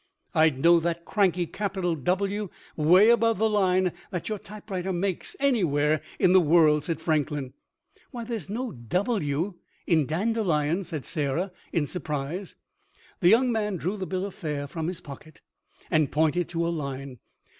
"I'd know that cranky capital W way above the line that your typewriter makes anywhere in the world," said Franklin. "Why, there's no W in dandelions," said Sarah, in surprise. The young man drew the bill of fare from his pocket, and pointed to a line.